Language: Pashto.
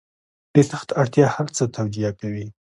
د تخت اړتیا هر څه توجیه کوي.